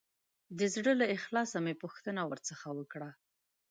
د زړه له اخلاصه مې پوښتنه ورڅخه وکړه.